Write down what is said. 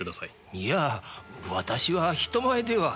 いや私は人前では。